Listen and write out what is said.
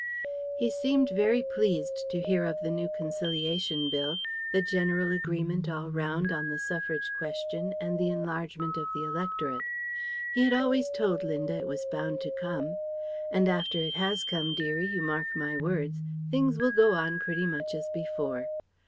He seemed very pleased to hear of the new Conciliation Bill, the general agreement all round on the Suffrage question and the enlargement of the electorate. He had always told Linda it was bound to come. "And after it has come, dearie, you mark my words: things will go on pretty much as before."